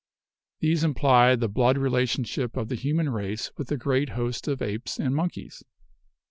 These imply the blood relation ship of the human race with the great host of apes and monkeys.